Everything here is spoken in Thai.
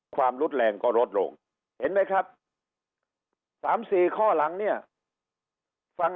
ความรุนแรงก็ลดลงเห็นไหมครับ๓๔ข้อหลังเนี่ยฟัง